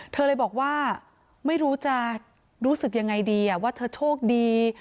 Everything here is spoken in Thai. เธอเลยบอกว่าไม่รู้จะรู้สึกยังไงดีว่าเธอโชคดี